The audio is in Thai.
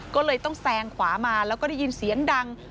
ก็เลยต้องแซงขวามาแล้วก็ได้ยินเสียงดัง